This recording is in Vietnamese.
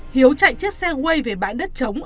hiếu chạy chiếc xe quay về bãi đất trống